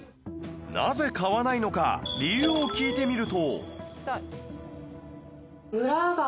なぜ買わないのか理由を聞いてみると